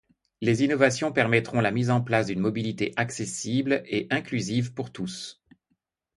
Les innovations permettront la mise en place d’une mobilité accessible et inclusive pour tous.